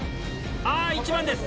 あ１番です！